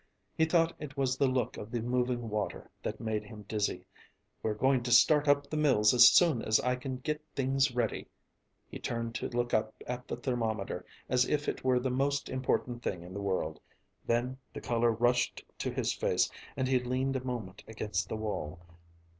He thought it was the look of the moving water that made him dizzy. "We're going to start up the mills as soon as I can get things ready." He turned to look up at the thermometer as if it were the most important thing in the world; then the color rushed to his face and he leaned a moment against the wall.